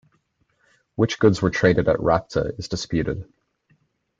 Which goods were traded at Rhapta is disputed.